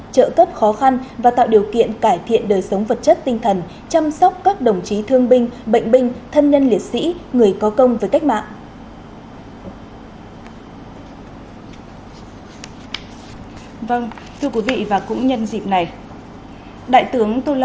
trợ cấp khó khăn và tạo điều kiện cải thiện đời sống vật chất tinh thần chăm sóc các đồng chí thương binh bệnh binh thân nhân liệt sĩ người có công với cách mạng